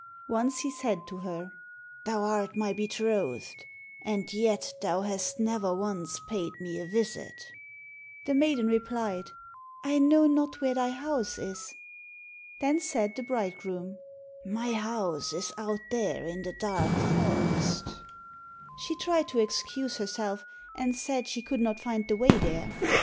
Once he said to her, "Thou art my betrothed, and yet thou hast never once paid me a visit." The maiden replied, "I know not where thy house is." Then said the bridegroom, "My house is out there in the dark forest." She tried to excuse herself and said she could not find the way there.